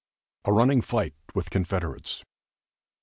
A RUNNING FIGHT WITH CONFEDERATES.